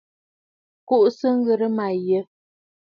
Kùʼùsə ŋghɨrə mə̀ yə̂!